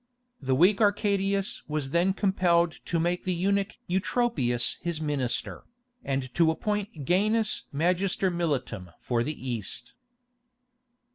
The weak Arcadius was then compelled to make the eunuch Eutropius his minister, and to appoint Gainas Magister militum for the East.